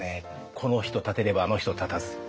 この人立てればあの人立たず。